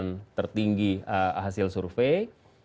yang sangat tinggi hasil survei